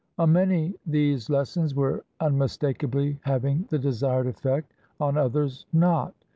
On many these lessons were unmistakably having the desired effect; on others, not.